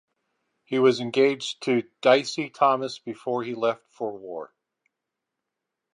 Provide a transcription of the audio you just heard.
He was engaged to Dicey Thomas before he left for war.